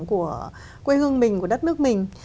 của quê hương mình của đất nước mình